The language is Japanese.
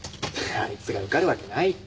あいつが受かるわけないって。